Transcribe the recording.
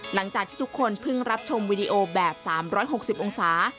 หลังจากที่ทุกคนเพิ่งรับชมวิดีโอแบบ๓๖๐องศา